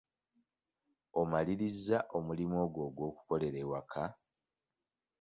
Omaliriza omulimu ogwo ogw'okukolera ewaka?